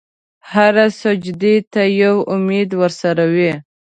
هر سجدې ته یو امید ورسره وي.